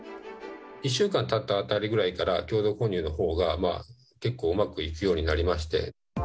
１週間たったあたりから共同購入のほうが、結構うまくいくようになりまして。